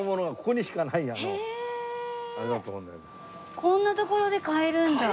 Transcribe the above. こんな所で買えるんだ。